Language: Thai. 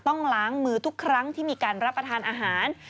ต้องล้างมือทุกครั้งที่มีการรับประทานอาหาร